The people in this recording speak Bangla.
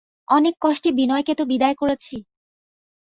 অনেক কষ্টে বিনয়কে তো বিদায় করেছি।